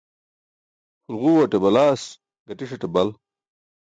Pʰulġuuẏate balaas, gatiṣate bal.